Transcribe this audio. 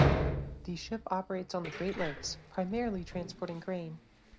The ship operates on the Great Lakes primarily transporting grain.